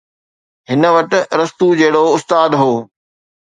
هن وٽ ارسطو جهڙو استاد هو